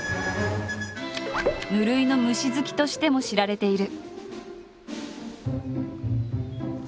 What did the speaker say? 無類の虫好きとしても知られている。